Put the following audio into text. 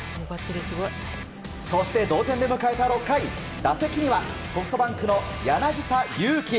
そして同点で迎えた６回打席にはソフトバンクの柳田悠岐。